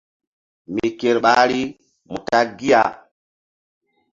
Mi ker ɓahri mu ta gi.